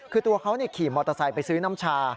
คือตัวเขาขี่มอเตอร์ไซค์ไปซื้อน้ำชา